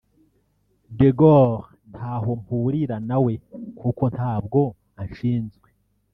“De Gaulle ntaho mpurira na we kuko ntabwo anshinzwe